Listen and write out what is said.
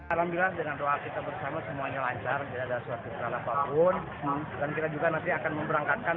alhamdulillah dengan doa kita bersama semuanya lancar tidak ada suatu perang apapun